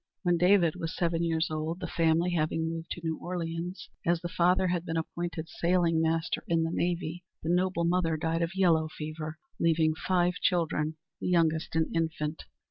When David was seven years old, the family having moved to New Orleans, as the father had been appointed sailing master in the navy, the noble mother died of yellow fever, leaving five children, the youngest an infant.